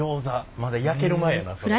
まだ焼ける前やなそれ。